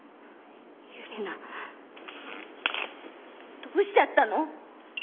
ユリナどうしちゃったの？